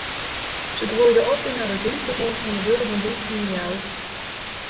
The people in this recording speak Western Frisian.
Se groeide op yn in regintehûs oan de Wurdumerdyk yn Ljouwert.